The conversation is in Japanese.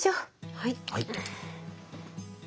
はい。